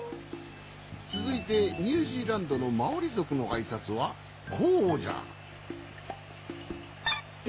つづいてニュージーランドのマオリぞくのあいさつはこうじゃ。え？